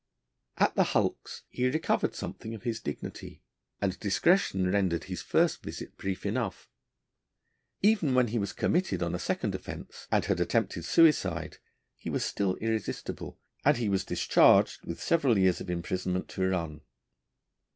At the Hulks he recovered something of his dignity, and discretion rendered his first visit brief enough. Even when he was committed on a second offence, and had attempted suicide, he was still irresistible, and he was discharged with several years of imprisonment to run.